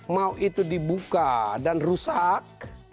mau itu dibuka dan rusak